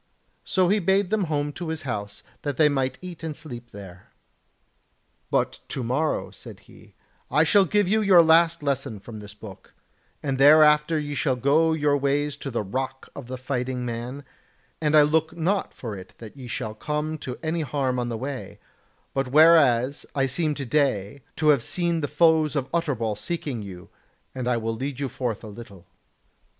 So he bade them home to his house that they might eat and sleep there. "But to morrow," said he, "I shall give you your last lesson from this book, and thereafter ye shall go your ways to the Rock of the Fighting Man, and I look not for it that ye shall come to any harm on the way; but whereas I seem to day to have seen the foes of Utterbol seeking you, I will lead you forth a little."